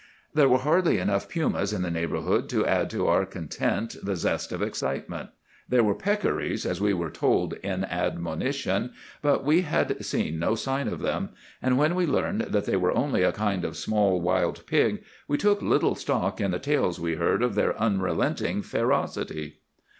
There were hardly enough pumas in the neighborhood to add to our content the zest of excitement. There were peccaries, as we were told in admonition, but we had seen no sign of them; and when we learned that they were only a kind of small wild pig we took little stock in the tales we heard of their unrelenting ferocity.